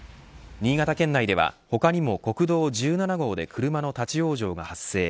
新潟県内では他にも国道１７号で車の立ち往生が発生。